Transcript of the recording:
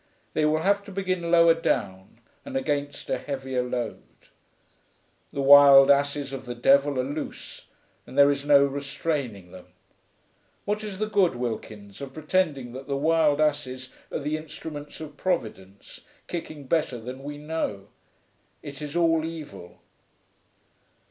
They will have to begin lower down and against a heavier load.... The Wild Asses of the Devil are loose, and there is no restraining them. What is the good, Wilkins, of pretending that the Wild Asses are the instruments of Providence, kicking better than we know? It is all evil.'